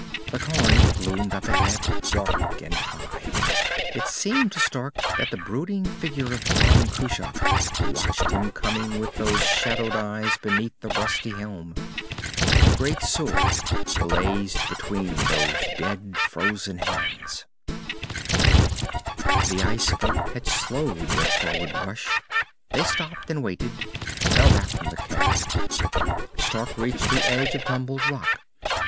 The cairn loomed up ahead, dark and high. It seemed to Stark that the brooding figure of Ban Cruach watched him coming with those shadowed eyes beneath the rusty helm. The great sword blazed between those dead, frozen hands. [Illustration: The great sword blazed between those dead, frozen hands....] The ice folk had slowed their forward rush. They stopped and waited, well back from the cairn. Stark reached the edge of tumbled rock.